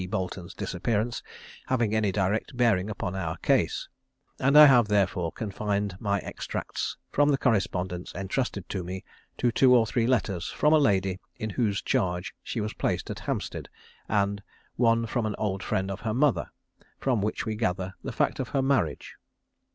Boleton's disappearance having any direct bearing upon our case, and I have, therefore, confined my extracts from the correspondence entrusted to me, to two or three letters from a lady in whose charge she was placed at Hampstead, and one from an old friend of her mother, from which we gather the fact of her marriage.